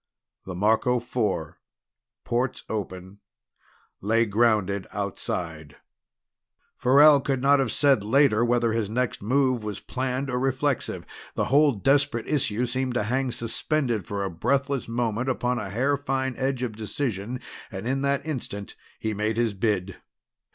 The Marco Four, ports open, lay grounded outside. Farrell could not have said, later, whether his next move was planned or reflexive. The whole desperate issue seemed to hang suspended for a breathless moment upon a hair fine edge of decision, and in that instant he made his bid.